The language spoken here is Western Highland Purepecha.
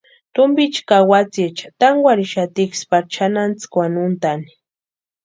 Tumpicha ka watsïecha tankwarhixatiksï pari chʼanantsïkwa úntʼani.